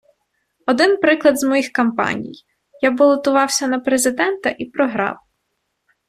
Один приклад з моїх кампаній – я балотувався на президента і програв.